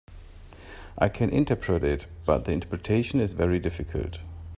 I can interpret it, but the interpretation is very difficult.